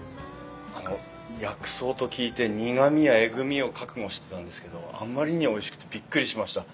あの薬草と聞いて苦みやえぐみを覚悟してたんですけどあまりにおいしくてビックリしました。